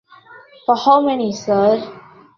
For how many, sir?